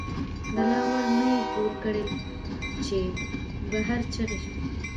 دَ لا ور نه وو پورې کړ، چې بهر چغې شوې